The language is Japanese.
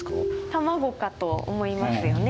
卵かと思いますよね。